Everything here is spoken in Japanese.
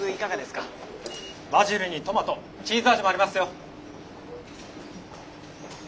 バジルにトマトチーズ味もありますよ。